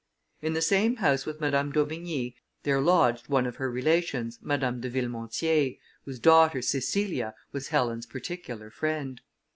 In the same house with Madame d'Aubigny, there lodged one of her relations, Madame de Villemontier, whose daughter Cecilia was Helen's particular friend.